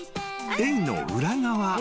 ［エイの裏側］